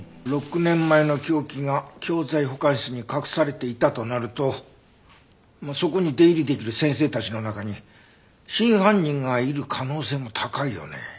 ６年前の凶器が教材保管室に隠されていたとなるとそこに出入りできる先生たちの中に真犯人がいる可能性も高いよね。